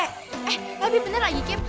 eh lebih bener lagi kip